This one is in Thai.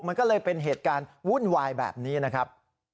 มันก็เลยเป็นเหตุการณ์วุ่นวายแบบนี้นะครับ